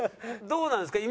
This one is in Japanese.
どうなんですか？